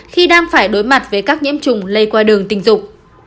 khi đang phải đối mặt với các nhiễm trùng lây qua đường tình dục